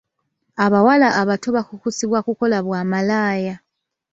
Abawala abato bakukusibwa kukola bwa malaaya.